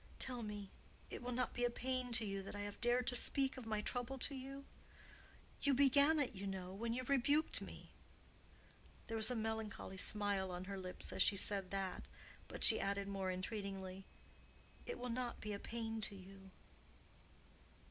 Tell me—it will not be a pain to you that I have dared to speak of my trouble to you? You began it, you know, when you rebuked me." There was a melancholy smile on her lips as she said that, but she added more entreatingly, "It will not be a pain to you?"